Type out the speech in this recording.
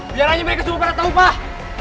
biar aja mereka semua pada tau pak